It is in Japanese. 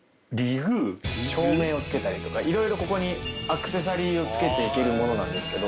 照明を付けたりとかいろいろここにアクセサリーを付けて行けるものなんですけど。